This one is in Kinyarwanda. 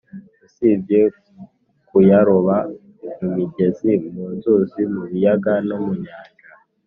usibye kuyaroba mu migezi, mu nzuzi, mu biyaga no mu nyanja,